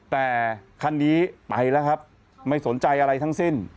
แต่คันนี้ไปแล้วครับไม่สนใจอะไรทั้งสิ้น